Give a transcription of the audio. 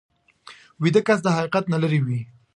ویده کس د حقیقت نه لرې وي